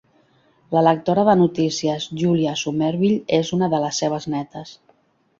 La lectora de notícies Julia Somerville és una de les seves nétes.